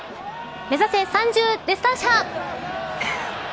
目指せ３０デスターシャ。